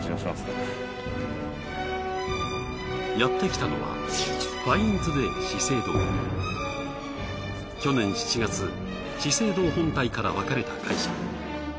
やってきたのは去年７月資生堂本体から分かれた会社。